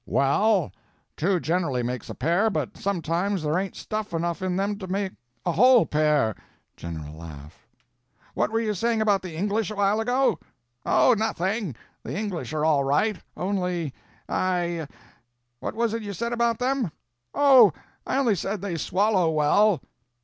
"Well, two generally makes a pair, but sometimes there ain't stuff enough in them to make a whole pair." General laugh. "What were you saying about the English a while ago?" "Oh, nothing, the English are all right, only—I—" "What was it you said about them?" "Oh, I only said they swallow well."